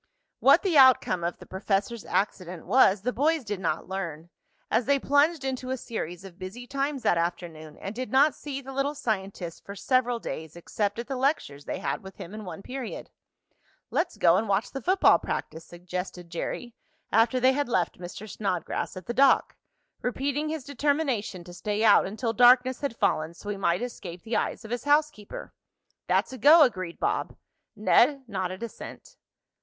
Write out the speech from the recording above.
What the outcome of the professor's accident was the boys did not learn, as they plunged into a series of busy times that afternoon and did not see the little scientist for several days except at the lectures they had with him in one period. "Let's go and watch the football practice," suggested Jerry after they had left Mr. Snodgrass at the dock, repeating his determination to stay out until darkness had fallen so he might escape the eyes of his housekeeper. "That's a go," agreed Bob. Ned nodded assent.